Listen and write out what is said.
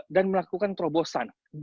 dan melakukan terobosan